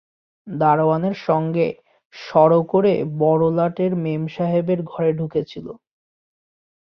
দারোয়ানের সঙ্গে ষড় করে বড়োলাটের মেমসাহেবের ঘরে ঢুকেছিল।